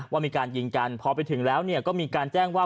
ว่ามีการยิงกันพอไปถึงแล้วก็มีการแจ้งว่า